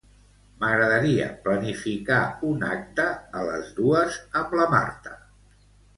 M'agradaria planificar un acte a les dues amb la Marta.